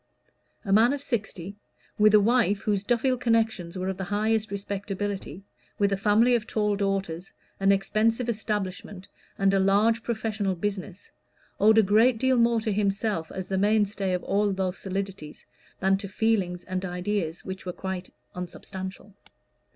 A man of sixty, with a wife whose Duffield connections were of the highest respectability, with a family of tall daughters, an expensive establishment, and a large professional business, owed a great deal more to himself as the mainstay of all those solidities, than to feelings and ideas which were quite unsubstantial.